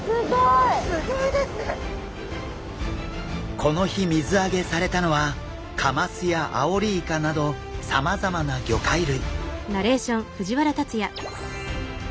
この日水揚げされたのはカマスやアオリイカなどさまざまな魚介類。